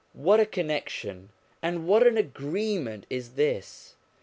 What a connection, and what an agreement is this